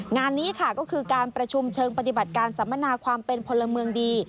งานนี้ค่ะก็คือการประชุมเชิงปฏิบัติการสัมมนาความเป็นพลเมืองดี